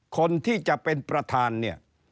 คนที่จะเป็นประธานเนี่ย